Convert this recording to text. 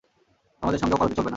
সমাজের সঙ্গে ওকালতি চলবে না।